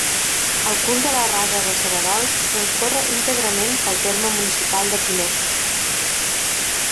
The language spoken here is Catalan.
El curs de la Rasa de Cererols transcorre íntegrament pel terme municipal de Pinós.